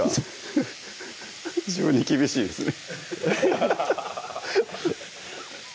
フフフ自分に厳しいですね